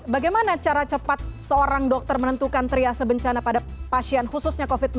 bagaimana cara cepat seorang dokter menentukan triase bencana pada pasien khususnya covid sembilan belas